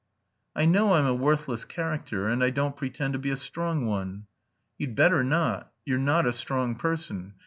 "I know I'm a worthless character, and I don't pretend to be a strong one." "You'd better not; you're not a strong person.